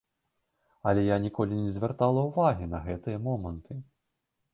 Але я ніколі не звяртала ўвагі на гэтыя моманты.